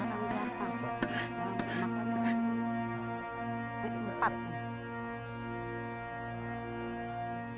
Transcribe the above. kepala pembinaan ini memiliki kekuasaan yang sangat berharga